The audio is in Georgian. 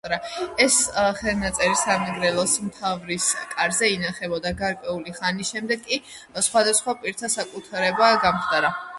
ეს ხელნაწერი სამეგრელოს მთავრის კარზე ინახებოდა გარკვეული ხანი, შემდეგ კი სხვადასხვა პირთა საკუთრება გამხდარა.